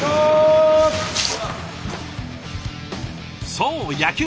そう野球。